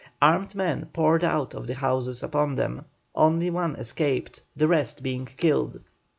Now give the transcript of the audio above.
Armed men poured out of the houses upon them; only one escaped, the rest being killed.